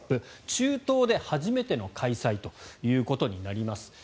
中東で初めての開催ということになります。